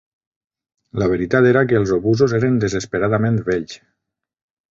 La veritat era que els obusos eren desesperadament vells